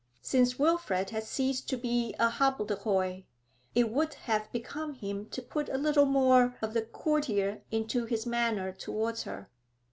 Since Wilfrid had ceased to be a hobbledehoy, it would have become him to put a little more of the courtier into his manner towards her.